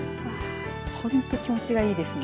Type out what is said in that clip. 本当に気持ちがいいですね。